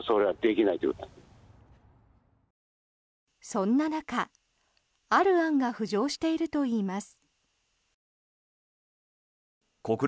そんな中、ある案が浮上しているといいます。